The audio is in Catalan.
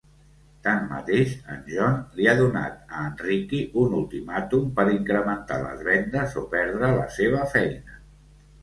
Tanmateix, en John li ha donat a en Ricky un ultimàtum per incrementar les vendes, o perdre la seva feina.